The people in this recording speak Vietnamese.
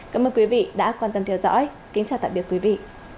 cảm ơn quý vị đã quan tâm theo dõi kính chào tạm biệt quý vị